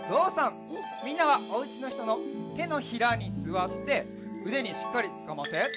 みんなはおうちのひとのてのひらにすわってうでにしっかりつかまって。